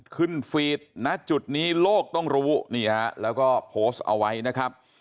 ขึ้นฟีดนะจุดนี้โลกต้องรู้แล้วก็โพสต์เอาไว้นะครับ